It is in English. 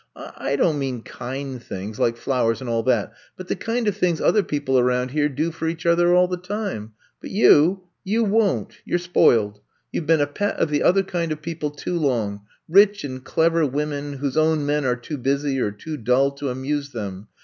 I don't mean kind things, like flowers and all that, but the kind of things other people around here do for each other all the time. But you — you won 't ! You 're spoiled. You 've been a pet of the other kind of people too long, rich and clever women whose own men are too busy or too dull to amuse them.